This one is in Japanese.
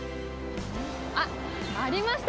あっ、ありました、